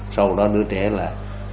sau đó đứa trẻ là